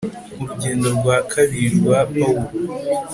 Urugendo rwa kabiri rwa Pawulo